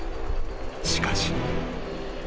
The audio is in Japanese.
［しかし］